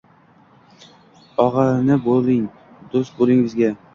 Og’a-ini bo’ling, do’st bo’ling bizga!